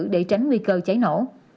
để tránh nguy cơ cháy nổ